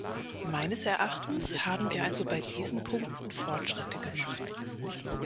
Meines Erachtens haben wir also bei diesen Punkten Fortschritte gemacht.